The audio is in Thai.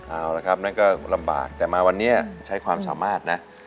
เอาละครับนั่นก็ลำบากแต่มาวันนี้ใช้ความสามารถนะ